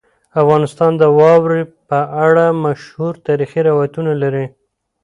افغانستان د واوره په اړه مشهور تاریخی روایتونه لري.